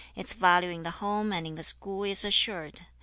Its value in the home and in the school is assured.